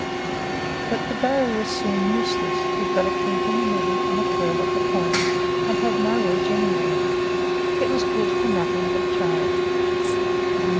But the bowie was soon useless; it got a kink in the middle, and a curl at the point, and had no edge anywhere. It was good for nothing but trade.